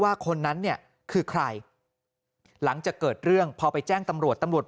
คนนั้นเนี่ยคือใครหลังจากเกิดเรื่องพอไปแจ้งตำรวจตำรวจ